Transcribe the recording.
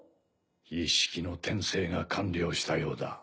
イッシキの転生が完了したようだ